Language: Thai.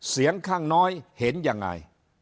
เสียงข้างน้อยเห็นยังไง